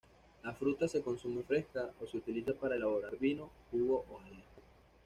La fruta se consume fresca, o se utiliza para elaborar vino, jugo y jalea.